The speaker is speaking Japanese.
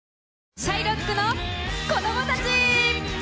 『シャイロックの子供たち』！